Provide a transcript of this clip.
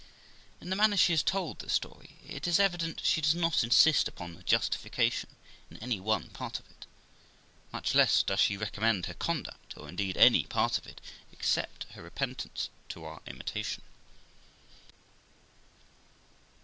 In the manner she has tokl the story, it is evident she does not insist upon her justification in any one part of it ; much less does she recommend her conduct, or, indeed, any part of it, except her repentance, to our imitation.